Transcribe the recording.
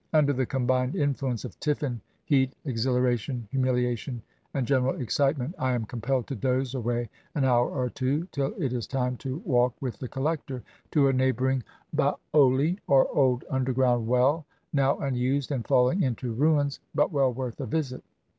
Under the combined influence of tiffin, heat, exhilaration, humiliation, and general excitement, I am compelled to doze away an hour or two, till it is time to walk with the collector to a neighboring baoli, or old underground well, now unused and f aUing into ruins, but well worth a visit.